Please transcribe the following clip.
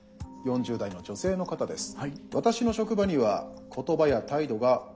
４０代の女性の方です。